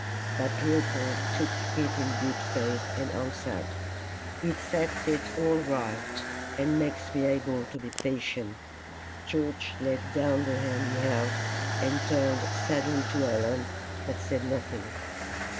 But Leopold took it in good faith, and answered, "It sets it all right, and makes me able to be patient." George laid down the hand he held, and turned sadly to Helen, but said nothing.